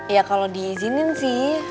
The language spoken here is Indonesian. ya kalau diizinin sih